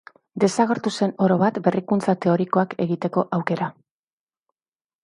Desagertu zen orobat berrikuntza teorikoak egiteko aukera.